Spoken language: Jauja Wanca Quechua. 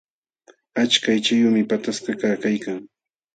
Achka aychayuqmi pataskakaq kaykan.